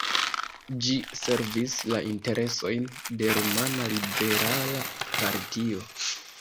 Ĝi servis la interesojn de rumana liberala partio.